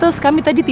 oke beda dari